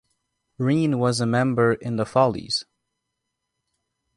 Rene was a member in the Follies.